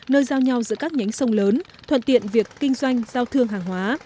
nơi giao nhau giữa các nhánh sông lớn thuận tiện việc kinh doanh giao thương hàng hóa